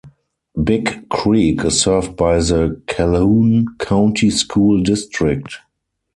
Big Creek is served by the Calhoun County School District.